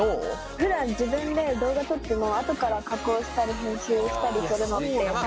ふだん自分で動画撮っても後から加工したり編集したりするのって大変で。